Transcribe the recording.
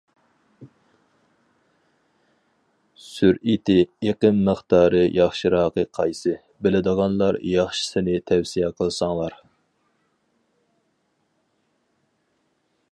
سۈرئىتى، ئېقىم مىقدارى ياخشىراقى قايسى؟ بىلىدىغانلار ياخشىسىنى تەۋسىيە قىلساڭلار.